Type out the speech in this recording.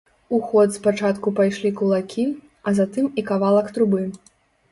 У ход спачатку пайшлі кулакі, а затым і кавалак трубы.